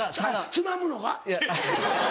つまむのが？